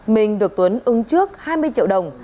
minh được tuấn ưng trước hai mươi triệu đồng